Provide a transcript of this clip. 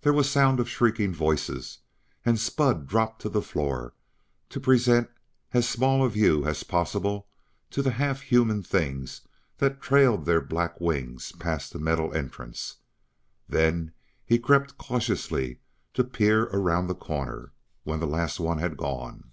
There was sound of shrieking voices, and Spud dropped to the floor to present as small a view as possible to the half human things that trailed their black wings past the metal entrance; then he crept cautiously to peer around the corner, when the last one had gone.